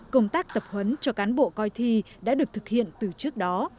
công tác tập huấn cho cán bộ coi thi đã được thực hiện từ trước đó